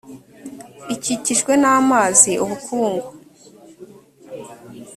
ikikijwe n amazi ubukungu